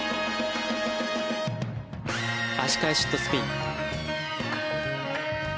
足換えシットスピン。